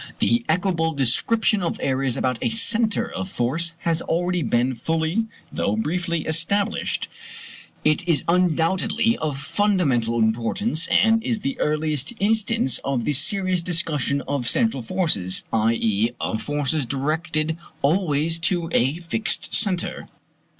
The equable description of areas about a centre of force has already been fully, though briefly, established. (p. 175.) It is undoubtedly of fundamental importance, and is the earliest instance of the serious discussion of central forces, i.e. of forces directed always to a fixed centre.